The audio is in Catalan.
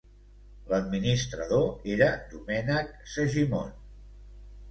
L'administrador era Domènec Segimon.